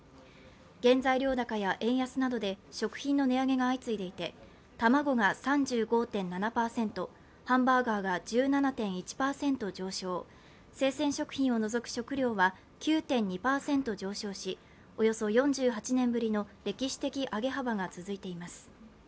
原材料高や円安などで食品の値上げが相次いでいて卵が３５．７％、ハンバーガーが１７．１％上昇、生鮮食品を除く食料は９．２％上昇しおよそ４８年ぶりの歴史的上げ幅が続いています。